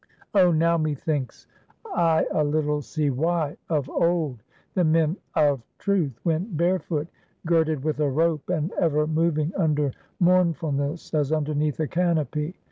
Oh, now methinks I a little see why of old the men of Truth went barefoot, girded with a rope, and ever moving under mournfulness as underneath a canopy.